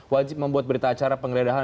wajib membuat berita acara